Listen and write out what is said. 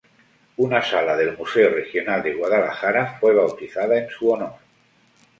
Una sala del Museo Regional de Guadalajara fue bautizada en su honor.